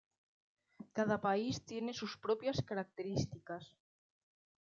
Cada país tiene sus propias características.